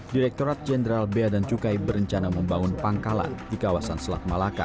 direkturat jenderal bea dan cukai berencana membangun pangkalan di kawasan selat malaka